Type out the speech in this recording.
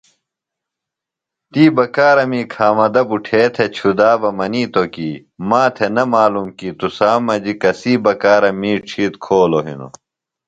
تی بکارمی کھامدہ بُٹھے تھےۡ چُھدا بہ منِیتوۡ کی ماتھےۡ نہ معلوم کی تُسام مجیۡ کسی بکارم می ڇِھیتر کھولوۡ ہِنوۡ۔